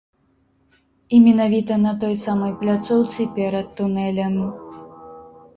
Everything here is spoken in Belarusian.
І менавіта на той самай пляцоўцы перад тунэлем.